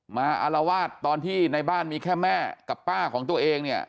อารวาสตอนที่ในบ้านมีแค่แม่กับป้าของตัวเองเนี่ย